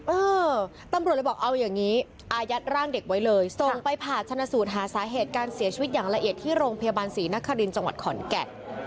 เออตำรวจเลยบอกเอาอย่างนี้อายัดร่างเด็กไว้เลยส่งไปผ่าชนะสูตรหาสาเหตุการเสียชีวิตอย่างละเอียดที่โรงพยาบาลศรีนครินทร์จังหวัดขอนแก่น